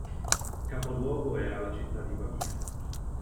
Capoluogo era la città di Pavia.